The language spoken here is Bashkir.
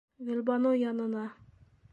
Гөлбаныу янына.